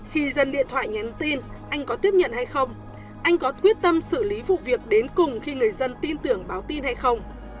khi dân điện thoại nhắn tin anh có tiếp nhận hay không anh có quyết tâm xử lý vụ việc đến cùng khi người dân tin tưởng báo tin hay không